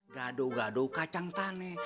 gaduh gaduh kacang tane